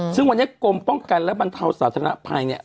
ซึ่งวันนี้กรมป้องกันและบรรเทาสาธารณภัยเนี่ย